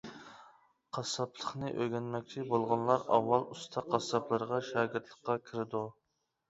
قاسساپلىقنى ئۆگەنمەكچى بولغانلار ئاۋۋال ئۇستا قاسساپلارغا شاگىرتلىققا كىرىدۇ.